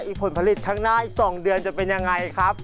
ผลผลิตข้างหน้าอีก๒เดือนจะเป็นยังไงครับ